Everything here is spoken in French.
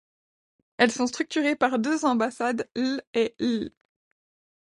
Elles sont structurées par deux ambassades, l' et l'.